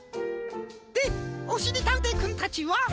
でおしりたんていくんたちは？